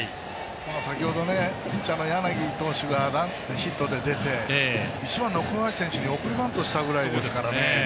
先ほど、ピッチャーの柳投手がヒットで出て１番、岡林選手に送りバントしたぐらいですからね。